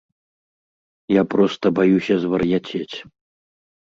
Я проста баюся звар'яцець.